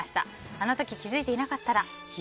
あの時気づいていなかったら。